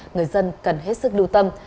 người dân cần hết sức lưu tâm